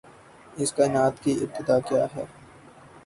اس کائنات کی ابتدا کیا ہے؟